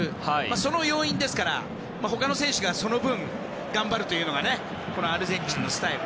その要員ですから他の選手がその分頑張るというのがアルゼンチンのスタイル。